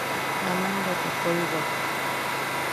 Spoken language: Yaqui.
Naman bea te toiwak.